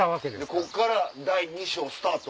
こっから第２章スタート。